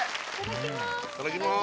いただきます